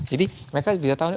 jadi mereka bisa tahu nih